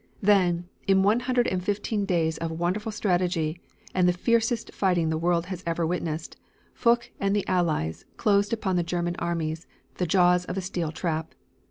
Then, in one hundred and fifteen days of wonderful strategy and the fiercest fighting the world has ever witnessed, Foch and the Allies closed upon the Germanic armies the jaws of a steel trap.